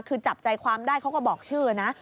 คือจับใจความได้เขาก็บอกชื่อนะ